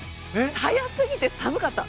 速すぎて、寒かった。